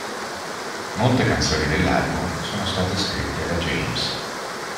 Molte canzoni dell'album sono state scritte da James.